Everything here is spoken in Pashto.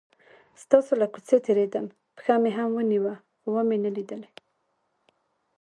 ستاسو له کوڅې تیرېدم، پښه مې هم ونیوه خو ومې نه لیدلې.